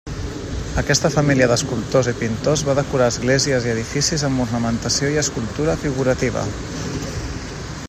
Aquesta família d'escultors i pintors va decorar esglésies i edificis amb ornamentació i escultura figurativa.